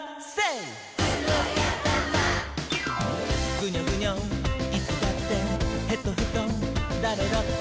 「グニョグニョいつだってヘトヘトだれだって」